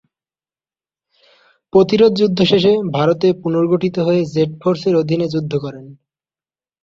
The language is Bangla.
প্রতিরোধযুদ্ধ শেষে ভারতে পুনর্গঠিত হয়ে জেড ফোর্সের অধীনে যুদ্ধ করেন।